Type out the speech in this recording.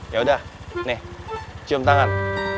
yaudah nih cium tangan